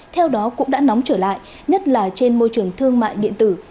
theo đó cũng đã nóng trở lại nhất là trên môi trường thương mại điện tử